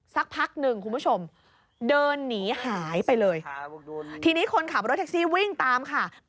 สักพักนึงคุณผู้ชม